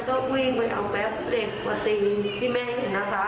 แต่พอนี่ก็วิ่งไปเอาแบบเด็กปกติที่แม่แห่งโหนะจำ